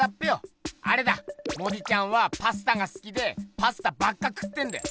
あれだモディちゃんはパスタがすきでパスタばっか食ってんだよ。